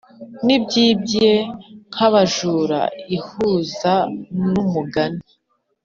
nibyimbye nkabajura ihuza numugani